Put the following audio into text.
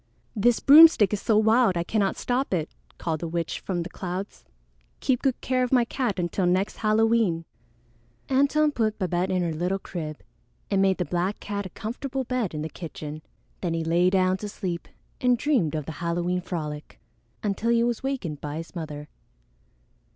"This broomstick is so wild I cannot stop it," called the witch from the clouds. "Keep good care of my cat until next Halloween." Antone put Babette in her little crib and made the black cat a comfortable bed in the kitchen. Then he lay down to sleep and dreamed of the Halloween frolic until he was wakened by his mother.